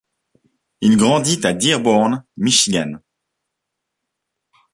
Il grandit à Dearborn, Michigan.